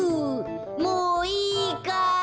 もういいかい？